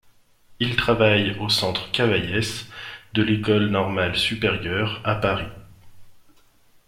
Il travaille au Centre Cavaillès de l'École normale supérieure à Paris.